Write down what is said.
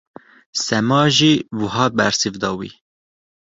Sema jî wiha bersiv da wî.